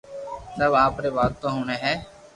سب آپري واتو ھوڻي ھي